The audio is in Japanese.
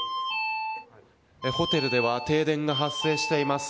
ホテルでは停電が発生しています。